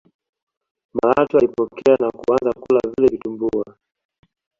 malatwe alipokea na kuanza kula vile vitumbua